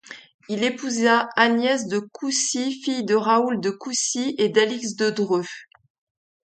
Il épousa Agnès de Coucy fille de Raoul de Coucy et d'Alix de Dreux.